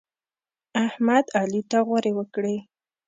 احمد؛ علي ته غورې وکړې.